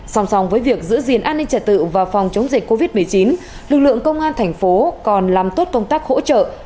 song song với việc giữ gìn an ninh trật tự và phòng chống dịch covid một mươi chín lực lượng công an thành phố còn làm tốt công tác hỗ trợ